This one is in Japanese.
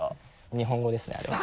日本語ですねあれは。